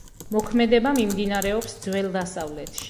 მოქმედება მიმდინარეობს ძველ დასავლეთში.